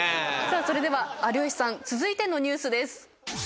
それでは有吉さん続いてのニュースです。